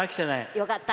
よかった！